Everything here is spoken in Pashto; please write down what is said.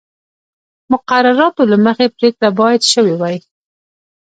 مقرراتو له مخې پرېکړه باید شوې وای.